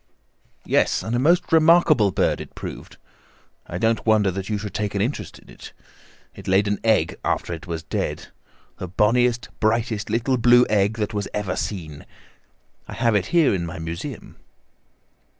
"Yes, and a most remarkable bird it proved. I don't wonder that you should take an interest in it. It laid an egg after it was dead—the bonniest, brightest little blue egg that ever was seen. I have it here in my museum."